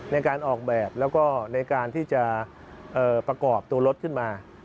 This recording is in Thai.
ในการออกแบบแล้วก็ในการที่จะประกอบตัวรถขึ้นมา